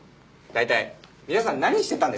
大体皆さん何してたんですか？